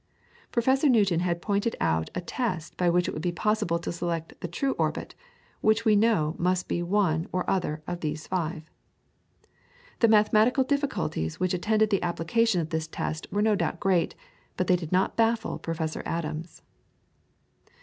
Professor Newton had pointed out a test by which it would be possible to select the true orbit, which we know must be one or other of these five. The mathematical difficulties which attended the application of this test were no doubt great, but they did not baffle Professor Adams.